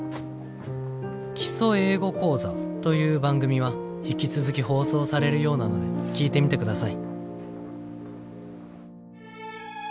『基礎英語講座』という番組は引き続き放送されるようなので聴いてみてください」。